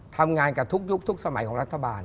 ทำงานกับทุกยุคทุกสมัยของรัฐบาล